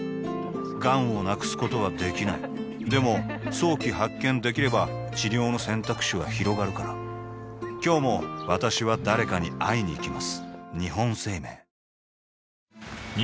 がんを無くすことはできないでも早期発見できれば治療の選択肢はひろがるから今日も私は誰かに会いにいきます